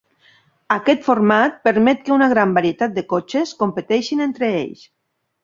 Aquest format permet que una gran varietat de cotxes competeixin entre ells.